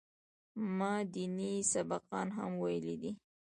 ما ديني سبقان هم ويلي دي.